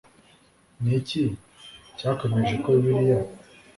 ni iki cyakwemeje ko bibiliya